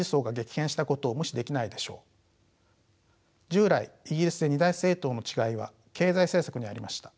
従来イギリスで二大政党の違いは経済政策にありました。